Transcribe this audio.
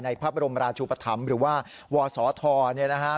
พระบรมราชุปธรรมหรือว่าวศธเนี่ยนะฮะ